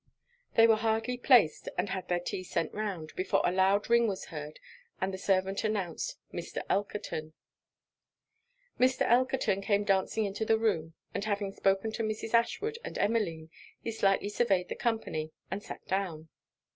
They were hardly placed, and had their tea sent round, before a loud ring was heard, and the servant announced 'Mr. Elkerton.' Mr. Elkerton came dancing into the room; and having spoken to Mrs. Ashwood and Emmeline, he slightly surveyed the company, and sat down.